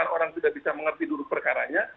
orang sudah bisa mengerti dulu perkaranya